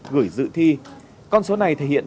gửi dự thi con số này thể hiện